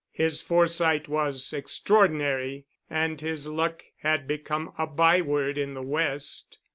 His foresight was extraordinary, and his luck had become a by word in the West.